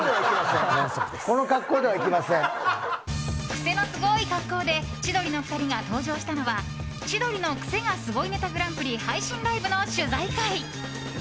クセのスゴい格好で千鳥のお二人が登場したのは「千鳥のクセがスゴいネタＧＰ」配信ライブの取材会。